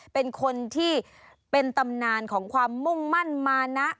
เป็นคนที่เป็นตำนานของความมุ่งมั่นมานะ